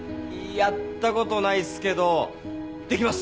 やったことないっすけどできます！